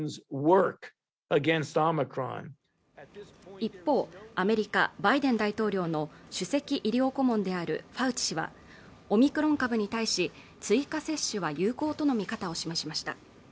一方アメリカ・バイデン大統領の首席医療顧問であるファウチ氏はオミクロン株に対し追加接種は有効との見方を示しました